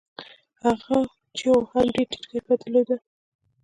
هغو چيغو هم ډېر ټيټ کيفيت درلود.